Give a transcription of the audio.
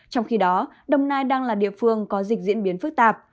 trong khi đó đồng nai đang là địa phương có dịch diễn biến phức tạp